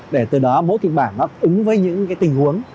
để từ đó mỗi kịch bản nó ứng với những tình huống